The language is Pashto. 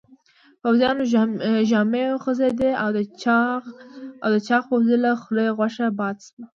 پوځيانو ژامې وخوځېدې او د چاغ پوځي له خولې غوښه باد شوه.